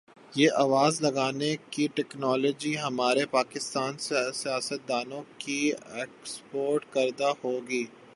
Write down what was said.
یہ آواز لگانے کی ٹیکنالوجی ہمارے پاکستانی سیاستدا نوں کی ایکسپورٹ کردہ ہوگی